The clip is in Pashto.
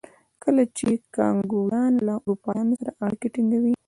کله چې کانګویان له اروپایانو سره اړیکې ټینګوي.